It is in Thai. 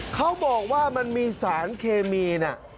เขาบอกว่ามันมีสารเคมีนะ